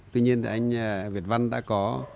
tuy nhiên thì anh việt văn đã có